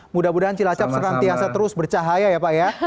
mudah mudahan cilacap senantiasa terus bercahaya ya pak ya